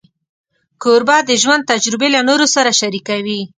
کوربه د ژوند تجربې له نورو سره شریکوي.